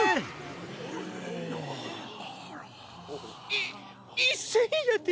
い１，０００やて？